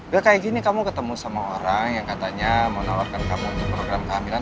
udah kayak gini kamu ketemu sama orang yang katanya mau nawarkan kamu untuk program kehamilan